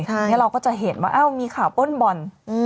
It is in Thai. แล้วเราก็จะเห็นว่าเอ้ามีข่าวป้นบ่อน